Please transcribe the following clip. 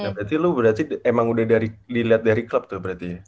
berarti lu berarti emang udah dilihat dari klub tuh berarti ya